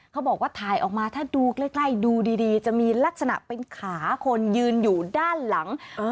เขาบอกว่าถ่ายออกมาถ้าดูใกล้ดูดีจะมีลักษณะเป็นขาคนยืนอยู่ด้านหลัง